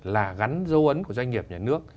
là gắn dấu ấn của doanh nghiệp nhà nước